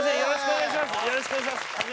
お願いします。